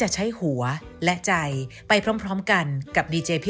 สวัสดีค่ะ